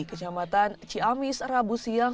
kejamatan ciamis rabu siang